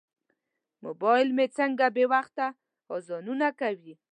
موبایل مې څنګه بې وخته اذانونه کوي.